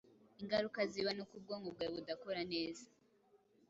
Ingaruka ziba nuko ubwonko bwawe budakora neza